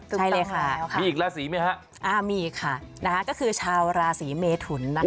ใช่เลยค่ะมีอีกราศีไหมฮะอ่ามีค่ะนะคะก็คือชาวราศีเมทุนนะคะ